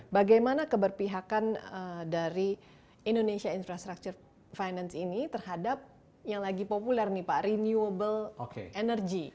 bagaimana keberpihakan dari indonesia infrastructure finance ini terhadap yang lagi populer nih pak renewable energy